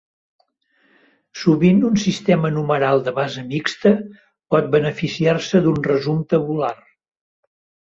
Sovint un sistema numeral de base mixta pot beneficiar-se d'un resum tabular.